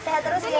sehat terus ya